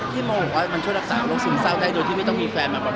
ที่โมมก็ช่วยรักษาโรคซึมเศร้าได้โดยที่ไม่ต้องมีแฟนมาประบัด